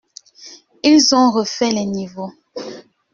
Ils ont refait les niveaux.